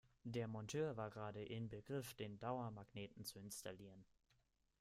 Der Monteur war gerade in Begriff, den Dauermagneten zu installieren.